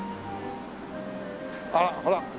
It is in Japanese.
あっほら！